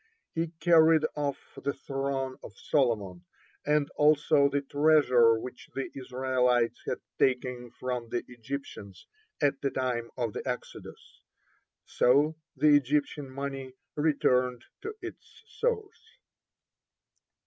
He carried off the throne of Solomon, (14) and also the treasure which the Israelites had taken from the Egyptians at the time of the exodus. So the Egyptian money returned to its source.